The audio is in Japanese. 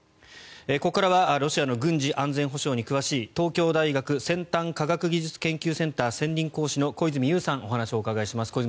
ここからはロシアの軍事・安全保障に詳しい東京大学先端科学技術研究センター専任講師の小泉悠さんにお話をお伺いします。